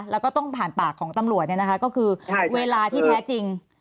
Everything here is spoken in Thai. แล้วก็ต้องผ่านปากของตำรวจก็คือเวลาที่แท้จริง